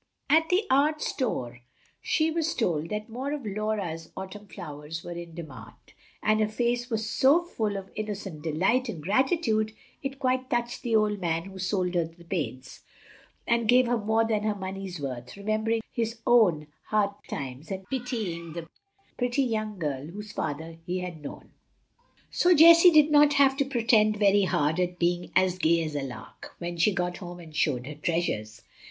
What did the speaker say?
At the art store she was told that more of Laura's autumn flowers were in demand; and her face was so full of innocent delight and gratitude it quite touched the old man who sold her the paints, and gave her more than her money's worth, remembering his own hard times and pitying the pretty young girl whose father he had known. So Jessie did not have to pretend very hard at being "as gay as a lark" when she got home and showed her treasures.